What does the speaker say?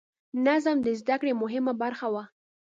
نظم د زده کړې یوه مهمه برخه وه.